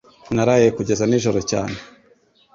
Naraye kugeza nijoro cyane